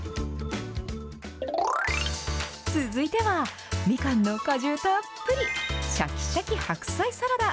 続いては、みかんの果汁たっぷり、しゃきしゃき白菜サラダ。